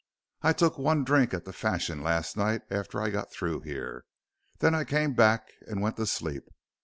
"I took one drink at the Fashion last night after I got through here. Then I came back and went to sleep.